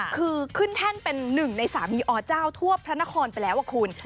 คือขึ้นแท่นเป็นหนึ่งในสามีอเจ้าทั่วพระนครไปแล้วคุณ